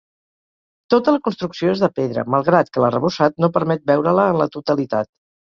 Tota la construcció és de pedra, malgrat que l'arrebossat no permet veure-la en la totalitat.